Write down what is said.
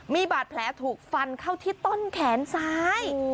มีบาดแผลถูกฟันเข้าที่ต้นแขนซ้าย